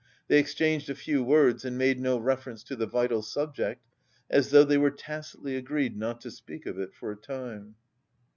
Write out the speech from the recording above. They exchanged a few words and made no reference to the vital subject, as though they were tacitly agreed not to speak of it for a time.